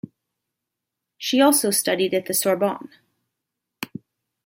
She also studied at the Sorbonne.